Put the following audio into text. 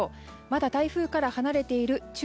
まだ台風から離れている中